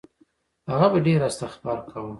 هغه به ډېر استغفار کاوه.